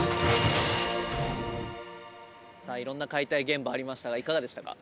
さあいろんな解体現場ありましたがいかがでしたか？